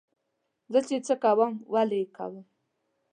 زه چې څه کوم ولې یې کوم.